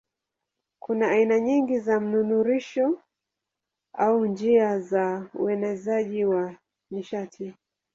Kuna aina nyingi za mnururisho au njia za uenezaji wa nishati.